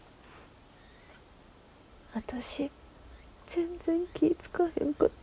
私全然気ぃ付か